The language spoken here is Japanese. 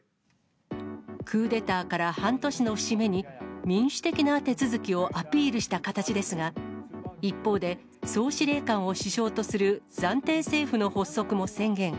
クーデターから半年の節目に、民主的な手続きをアピールした形ですが、一方で、総司令官を首相とする暫定政府の発足も宣言。